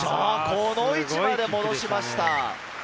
この位置まで戻しました。